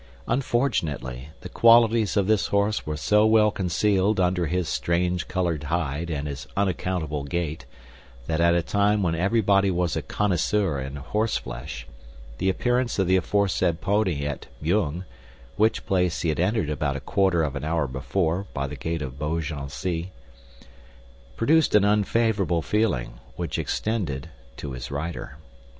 Unfortunately, the qualities of this horse were so well concealed under his strange colored hide and his unaccountable gait, that at a time when everybody was a connoisseur in horseflesh, the appearance of the aforesaid pony at Meung—which place he had entered about a quarter of an hour before, by the gate of Beaugency—produced an unfavorable feeling, which extended to his rider.